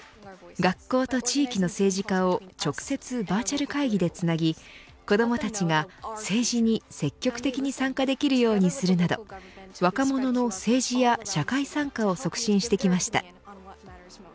学校と地域の政治家を直接、バーチャル会議でつなぎ子どもたちが政治に積極的に参加できるようにするなど若者の政治や社会参加を促進してきました。